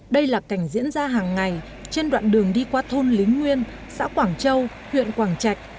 đây là cảnh diễn ra hàng ngày trên đoạn đường đi qua thôn lý nguyên xã quảng châu huyện quảng trạch